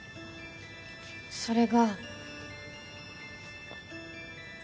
それが。